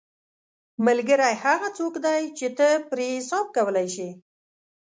ملګری هغه څوک دی چې ته پرې حساب کولی شې